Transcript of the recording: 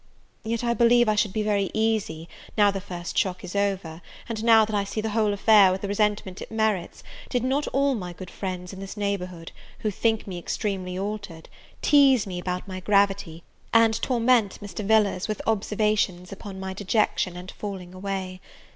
Yet I believe I should be very easy, now the first shock is over, and now that I see the whole affair with the resentment it merits, did not all my good friends in this neighbourhood, who think me extremely altered, tease me about my gravity, and torment Mr. Villars with observations upon my dejection and falling away.